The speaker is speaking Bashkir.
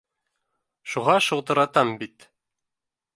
Шуға шылтыратам бит